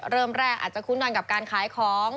เริ่มแรกอาจจะคุ้นกันกับการขายของ